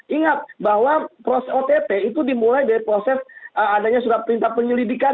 ingat bahwa proses ott itu dimulai dari proses adanya surat perintah penyelidikan